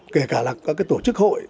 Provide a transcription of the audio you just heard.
kể cả là các cái tổ chức hội